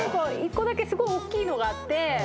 １個だけすごいおっきいのがあって。